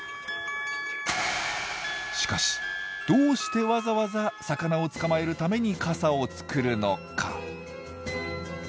しかしどうしてわざわざ魚を捕まえるために傘を作るのか？